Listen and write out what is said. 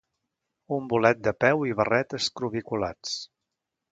Un bolet de peu i barret escrobiculats.